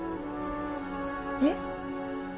えっ？